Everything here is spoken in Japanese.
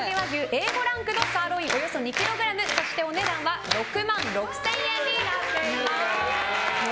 Ａ５ランクのサーロインおよそ２ｋｇそしてお値段は６万６０００円になっています。